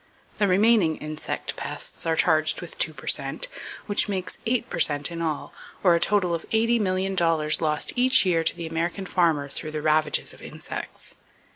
The remaining insect pests are charged with two per cent, which makes eight per cent in all, or a total of $80,000,000 lost each year to the American farmer through the ravages of insects.